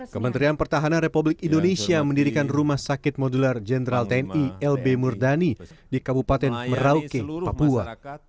kementerian pertahanan republik indonesia mendirikan rumah sakit modular jenderal tni lb murdani di kabupaten merauke papua